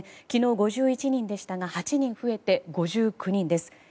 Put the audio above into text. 昨日５１人でしたが８人増えて５９人です。